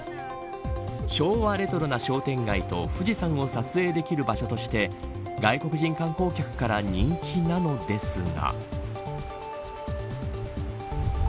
昭和レトロな商店街と富士山を撮影できる場所として外国人観光客から人気なのですが。